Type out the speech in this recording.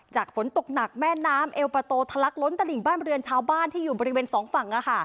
ฝนตกหนักแม่น้ำเอวประตูทะลักล้นตลิ่งบ้านเรือนชาวบ้านที่อยู่บริเวณสองฝั่ง